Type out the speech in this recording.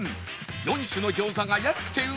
４種の餃子が安くてうまい